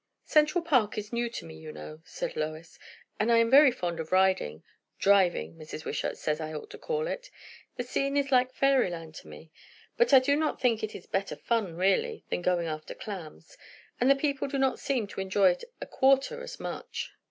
"Central Park is new to me, you know," said Lois; "and I am very fond of riding, driving, Mrs. Wishart says I ought to call it; the scene is like fairyland to me. But I do not think it is better fun, really, than going after clams. And the people do not seem to enjoy it a quarter as much."